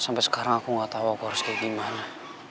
sampai sekarang aku gak tau aku harus kayak gimana